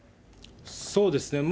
そうですね。